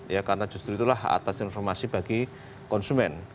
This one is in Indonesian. ya karena justru itulah atas informasi bagi konsumen